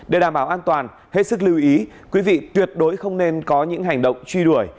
để đảm bảo an toàn hết sức lưu ý quý vị tuyệt đối không nên có những hành động truy đuổi